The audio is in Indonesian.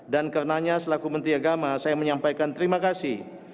dan karenanya selaku menteri agama saya menyampaikan terima kasih